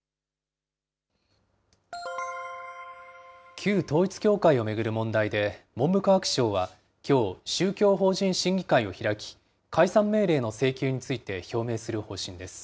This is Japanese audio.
旧統一教会を巡る問題で、文部科学省は、きょう、宗教法人審議会を開き、解散命令の請求について表明する方針です。